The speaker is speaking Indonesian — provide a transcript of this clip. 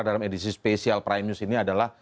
dalam edisi spesial prime news ini adalah